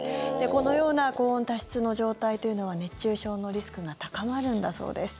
このような高温多湿の状態というのは熱中症のリスクが高まるんだそうです。